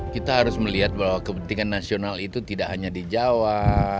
kita harus melihat bahwa kepentingan nasional itu tidak hanya di jawa